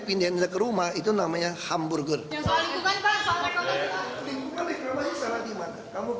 lingkungan reklamasi salah di mana kamu kira kan di jawa